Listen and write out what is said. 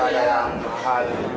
ada yang mahal